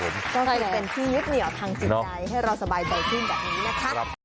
ก็เลยเป็นที่ยึดเหนียวทางจิตใจให้เราสบายใจขึ้นแบบนี้นะคะ